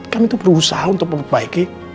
kamu perlu usaha untuk membaiki